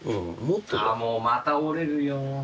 ああもうまた折れるよ。